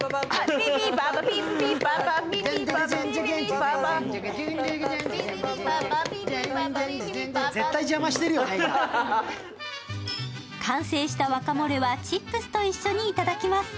チキチキ完成したワカモレはチップスを一緒にいただきます。